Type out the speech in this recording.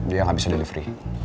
dia gak bisa delivery